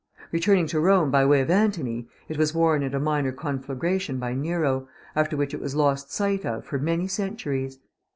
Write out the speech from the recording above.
Returning to Rome by way of Antony, it was worn at a minor conflagration by Nero, after which it was lost sight of for many centuries.